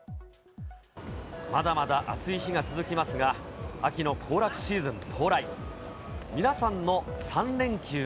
まだまだ暑い日が続きますが、秋の行楽シーズン到来。